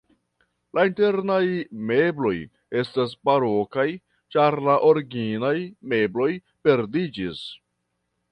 La internaj mebloj estas barokaj, ĉar la originaj mebloj perdiĝis.